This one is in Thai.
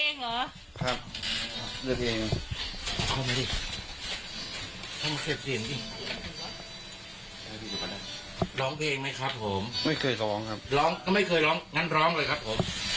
ร้องเพลงไหมครับผมไม่เคยร้องครับร้องก็ไม่เคยร้องงั้นร้องเลยครับผม